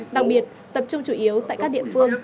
đặc biệt tập trung chủ yếu tại các địa phương